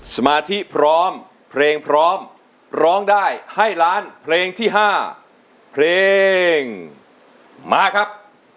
สมาธิพร้อมเพลงพร้อมร้องได้ให้ล้านเพลงที่๕เพลงมาครับ